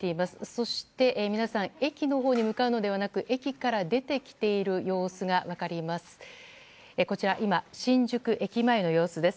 そして、皆さん駅のほうに向かうのではなく駅から出てきている様子が分かります。